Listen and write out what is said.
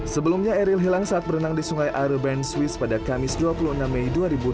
sebelumnya eril hilang saat berenang di sungai aero band swiss pada kamis dua puluh enam mei dua ribu dua puluh